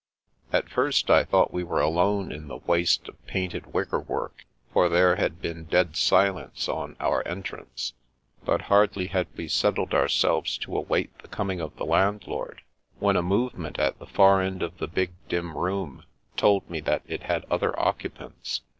At first, I thought we were alone in the waste of painted wicker work, for there had been dead silence on our entrance; but hardly had we settled ourselves to await the coming of the landlord, when a move ment at the far end of the big, dim room told me that it had other occupants.